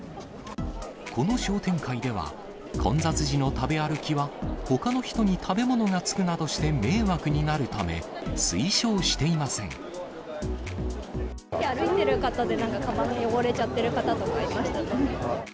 この商店会では、混雑時の食べ歩きはほかの人に食べ物がつくなどして迷惑になるたさっき歩いてる方で、かばん汚れちゃってる方とかいました。